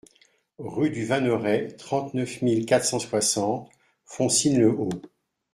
Rue du Vanneret, trente-neuf mille quatre cent soixante Foncine-le-Haut